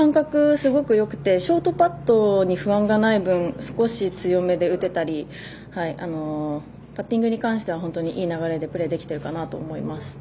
すごくよくてショートパットに不安がない分少し強めで打てたりパッティングに関しては本当にいい流れでプレーできてるかなと思います。